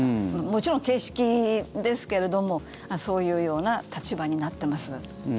もちろん形式ですけれどもそういうような立場になっています。